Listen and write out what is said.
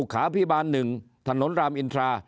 ขาพิบาล๑ถนนรามอินทรา